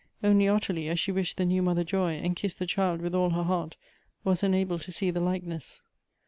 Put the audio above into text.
Only Ottilie, as she wished the new mother joy, and kissed the child with all her heart, was unable to see the likeness.